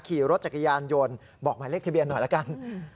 ขี่รถจักรยานยนต์บอกหมายเลขทะเบียนหน่อยละกัน